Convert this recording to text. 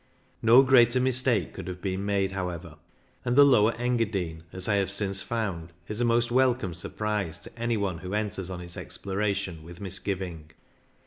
No greater mistake could have been made, however, and the Lower Engadine, as I have since found, is a most welcome sur prise to any one who enters on its explora tion with misgiving.